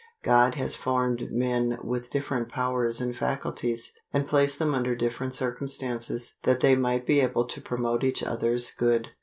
God has formed men with different powers and faculties, and placed them under different circumstances, that they might be able to promote each others' good.